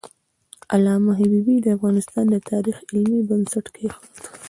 علامه حبیبي د افغانستان د تاریخ علمي بنسټ کېښود.